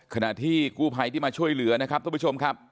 ขณะที่กู้ภัยที่มาช่วยเหลือนะครับทุกผู้ชมครับ